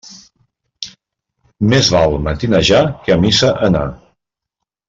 Més val matinejar que a missa anar.